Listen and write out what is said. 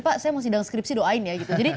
pak saya mau sidang skripsi doain ya gitu jadi